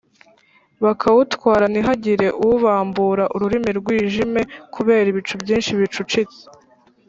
bakawutwara ntihagire uwubambura.urumuri rwijime kubera ibicu byinshi bicucitse.